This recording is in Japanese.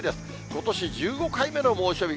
ことし１５回目の猛暑日。